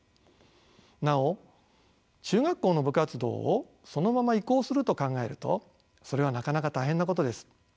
なお中学校の部活動をそのまま移行すると考えるとそれはなかなか大変なことです。